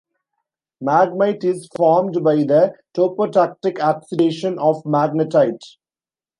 Maghemite is formed by the topotactic oxidation of magnetite.